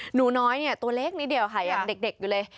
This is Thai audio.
หนูน้อยเนี่ยตัวเล็กนิดเดียวค่ะยังเด็กอยู่เลย